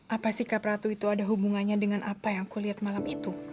apa sikap ratu itu ada hubungannya dengan apa yang aku lihat malam itu